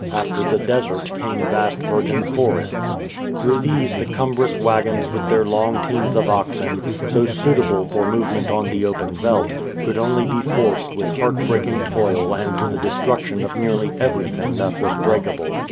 After the desert came vast virgin forests. Through these the cumbrous waggons with their long teams of oxen, so suitable for movement on the open veldt, could only be forced with heart breaking toil and to the destruction of nearly everything that was breakable.